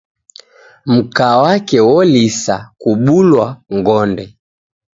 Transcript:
Mkwa wake woliswa kubulwa ngonde.